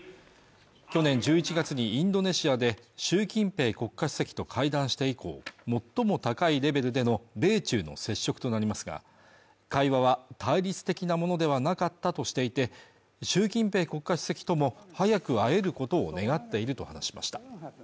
去年１１月にインドネシアで習近平国家主席と会談して以降最も高いレベルでの米中の接触となりますが会話は対立的なものではなかったとしていて習近平国家主席とも早く会えることを願っていると話しました